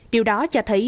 điều đó cho thấy